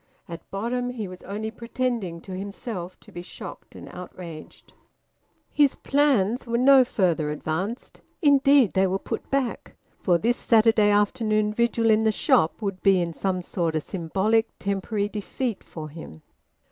At bottom, he was only pretending to himself to be shocked and outraged. His plans were no further advanced; indeed they were put back, for this Saturday afternoon vigil in the shop would be in some sort a symbolic temporary defeat for him.